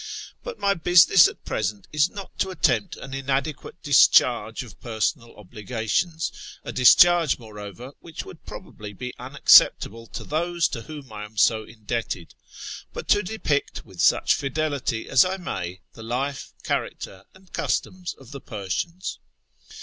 But my business at present is not to attempt an inadequate discharge of personal obligations (a discharge, moreover, which would probably be unacceptable to those to whom I am so indebted), but to depict with such fidelity as I may the life, character, and customs of the Persians.